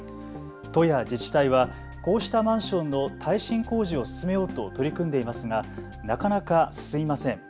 都や自治体はこうしたマンションの耐震工事を進めようと取り組んでいますがなか進みません。